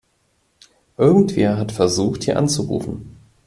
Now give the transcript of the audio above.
Irgendwer hat versucht, hier anzurufen.